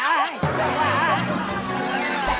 ใจเย็น